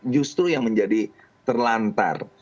justru yang menjadi terlantar